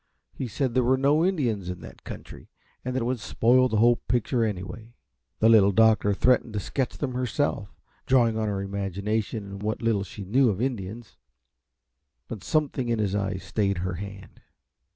He said there were no Indians in that country, and it would spoil the whole picture, anyway. The Little Doctor threatened to sketch them herself, drawing on her imagination and what little she knew of Indians, but something in his eyes stayed her hand.